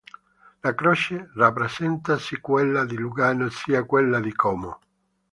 La croce rappresenta sia quella di Lugano sia quella di Como.